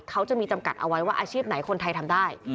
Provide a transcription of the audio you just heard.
เขาจะมีจำกัดเอาไว้ว่าอาชีพไหนคนไทยทำได้